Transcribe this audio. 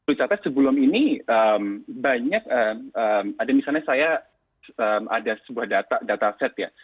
dicatat sebelum ini banyak ada misalnya saya ada sebuah data set ya